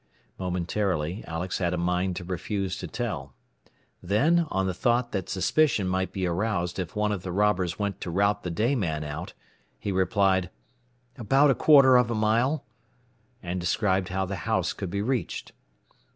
Momentarily Alex had a mind to refuse to tell; then, on the thought that suspicion might be aroused if one of the robbers went to rout the day man out, he replied, "About a quarter of a mile," and described how the house could be reached.